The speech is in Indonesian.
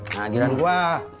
nah giliran gua